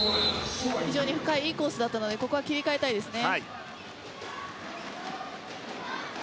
非常に深いいいコースだったのでここは切り替えたいですね。